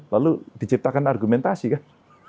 lalu diciptakan argumentasi kan